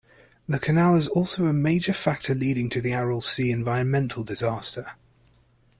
The canal is also a major factor leading to the Aral Sea environmental disaster.